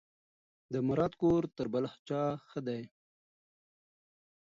د مراد کور تر بل چا ښه دی.